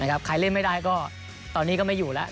ใครเล่นไม่ได้ก็ตอนนี้ก็ไม่อยู่แล้ว